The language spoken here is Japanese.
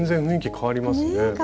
ねえ変わりますね。